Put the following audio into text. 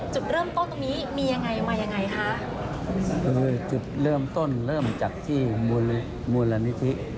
จุดเริ่มต้นตรงนี้มียังไงมายังไงคะเออจุดเริ่มต้นเริ่มจากที่มูลนิธิ